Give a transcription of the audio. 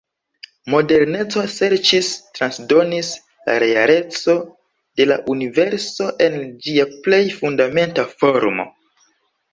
Moderneco serĉis transdonis la "realeco" de la universo en ĝia plej fundamenta formo.